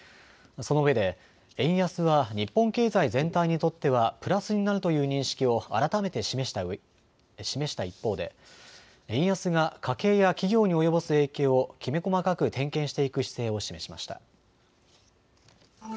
そのうえで円安は日本経済全体にとってはプラスになるという認識を改めて示した一方で、円安が家計や企業に及ぼす影響をきめ細かく点検していく姿勢を示しました。